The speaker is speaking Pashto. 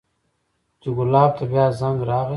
چې ګلاب ته بيا زنګ راغى.